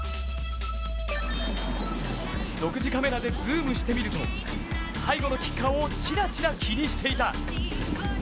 独自カメラでズームしてみると背後のキッカーをちらちら気にしていた。